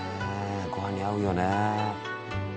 ごはんに合うよね。